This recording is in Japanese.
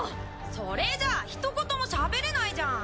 それじゃあひと言もしゃべれないじゃん！